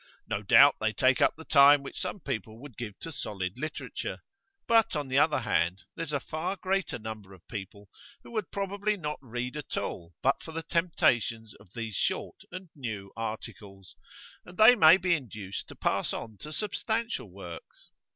No doubt they take up the time which some people would give to solid literature. But, on the other hand, there's a far greater number of people who would probably not read at all, but for the temptations of these short and new articles; and they may be induced to pass on to substantial works.